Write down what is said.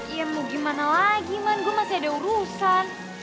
ya mau gimana lagi man gue masih ada urusan